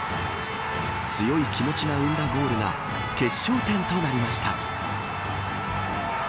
強い気持ちが生んだゴールが決勝点となりました。